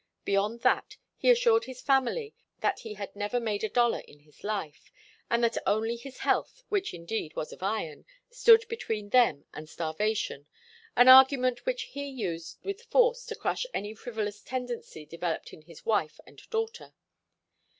Beyond that he assured his family that he had never made a dollar in his life, and that only his health, which indeed was of iron, stood between them and starvation, an argument which he used with force to crush any frivolous tendency developed in his wife and daughter.